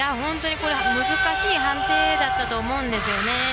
難しい判定だったと思うんですよね。